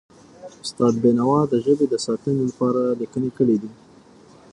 استاد بینوا د ژبې د ساتنې لپاره لیکنې کړی دي.